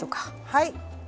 はい。